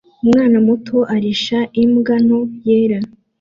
Umwana muto arisha imbwa nto yera